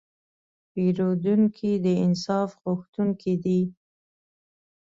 پیرودونکی د انصاف غوښتونکی دی.